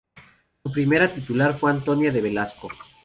Su primera titular fue Antonia de Velasco.